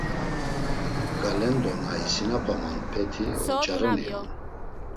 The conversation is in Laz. Galendo na isinapamanpeti onç̌aroni on.